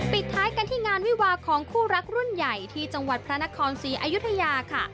ปิดท้ายกันที่งานวิวาของคู่รักรุ่นใหญ่ที่จังหวัดพระนครศรีอยุธยาค่ะ